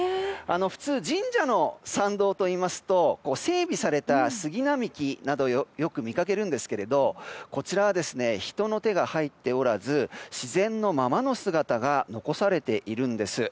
普通、神社の参道といいますと整備されたスギ並木などよく見かけるんですけれどもこちらは人の手が入っておらず自然のままの姿が残されているんです。